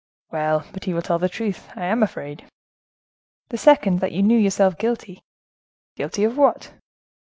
"Well! but he will tell the truth,—I am afraid." "The second, that you knew yourself guilty." "Guilty of what?"